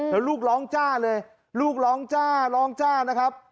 แล้วลูกร้องจ้าเลยลูกร้องจ้าร้องจ้านะครับ